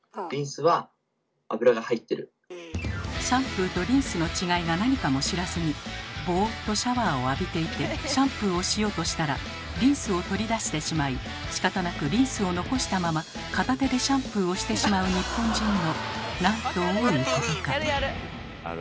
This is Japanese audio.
シャンプーとリンスの違いがなにかも知らずにボーっとシャワーを浴びていてシャンプーをしようとしたらリンスを取り出してしまいしかたなくリンスを残したまま片手でシャンプーをしてしまう日本人のなんと多いことか。